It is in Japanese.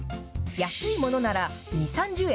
安いものなら２、３０円。